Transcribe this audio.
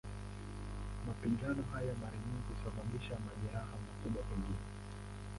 Mapigano hayo mara nyingi husababisha majeraha, makubwa pengine.